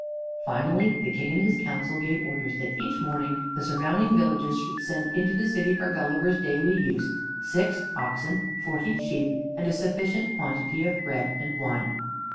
Finally, the King and his council gave orders that each morning the surrounding villages should send into the city for Gulliver's daily use six oxen, forty sheep, and a sufficient quantity of bread and wine.